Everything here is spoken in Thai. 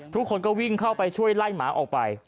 ทุกคนก็วิ่งเข้าไปช่วยไล่หมาออกไป